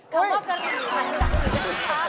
คำว่ากะหรี่มันหลักอยู่ด้วยครับ